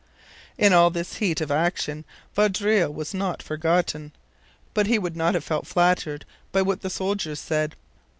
In all this heat of action Vaudreuil was not forgotten; but he would not have felt flattered by what the soldiers said.